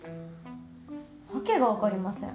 訳がわかりません。